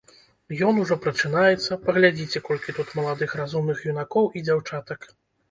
Ён ужо прачынаецца, паглядзіце, колькі тут маладых разумных юнакоў і дзяўчатак.